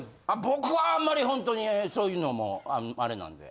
僕はあんまりホントにそういうのもうあれなんで。